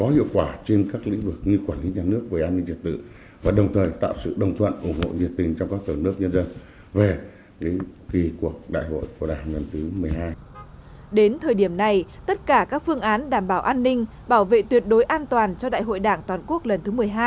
đến thời điểm này tất cả các phương án đảm bảo an ninh bảo vệ tuyệt đối an toàn cho đại hội đảng toàn quốc lần thứ một mươi hai